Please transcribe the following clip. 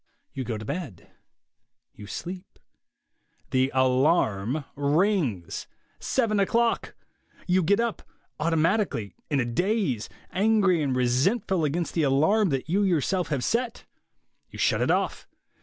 You go to bed ; you sleep ... The alarm rings. Seven o'clock! You get up, automatically, in a daze, angry and resentful against the alarm that you yourself have set. You shut it off.